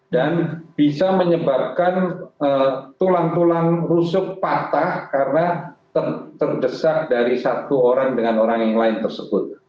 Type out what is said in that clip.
bisa menyebabkan tulang tulang rusuk patah karena terdesak dari satu orang dengan orang yang lain tersebut